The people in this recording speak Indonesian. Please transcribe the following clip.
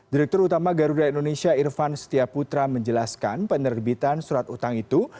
direktur utama garuda indonesia irvan setiaputra menjelaskan penerbitan surat utang itu